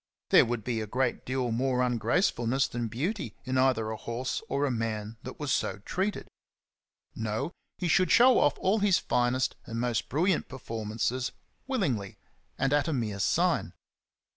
There would be a great deal more ungracefulness than beauty in either a horse or a man that was so treated. No, he CHAPTER XI. 63 should show off all his finest and most bril liant performances willingly and at a mere sign.